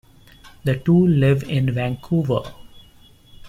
The two live in Vancouver.